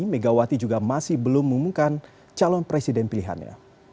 megawati juga masih belum mengumumkan calon presiden pilihannya